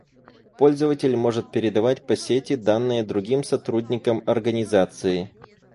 Пользователь может передавать по сети данные другим сотрудникам организации